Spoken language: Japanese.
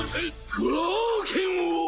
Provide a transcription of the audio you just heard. クラーケンを！